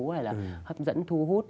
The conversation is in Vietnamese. hay là hấp dẫn thu hút